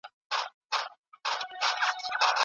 طبیعي علوم د ټولنیزو علومو په پرتله ډېر دقیق دي.